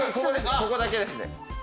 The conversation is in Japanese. ここだけですね。